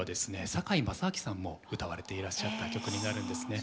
堺正章さんも歌われていらっしゃった曲になるんですね。